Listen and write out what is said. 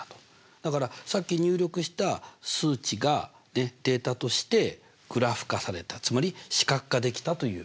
だからさっき入力した数値がデータとしてグラフ化されたつまり視覚化できたという。